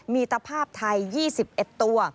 มีตภาพไทย๒๑ตัว